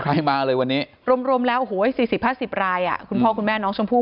ใครมาเลยวันนี้รวมแล้วโอ้โห๔๐๕๐รายคุณพ่อคุณแม่น้องชมพู่